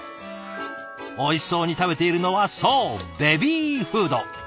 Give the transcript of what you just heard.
おいしそうに食べているのはそうベビーフード。